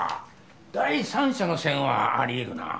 第三者の線はありえるな。